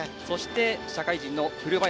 社会人の古林。